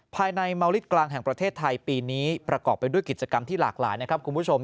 เมาลิตกลางแห่งประเทศไทยปีนี้ประกอบไปด้วยกิจกรรมที่หลากหลายนะครับคุณผู้ชม